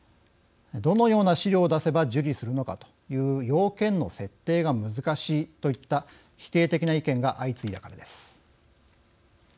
どのような資料を出せば受理するのかという要件の設定が難しいといった否定的な意見が相次いだからです。